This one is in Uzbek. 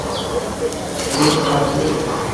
Hind xalqining